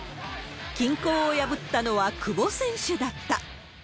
均衡を破ったのは久保選手だった。